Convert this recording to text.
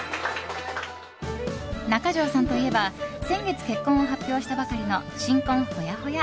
中条さんといえば、先月結婚を発表したばかりの新婚ほやほや。